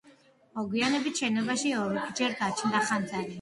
მოგვიანებით შენობაში ორჯერ გაჩნდა ხანძარი.